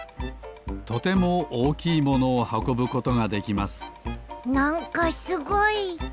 とてもおおきいものをはこぶことができますなんかすごい！